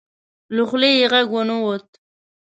له خولې یې غږ ونه وت.